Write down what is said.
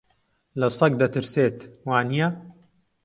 لە سەگ دەترسێت، وانییە؟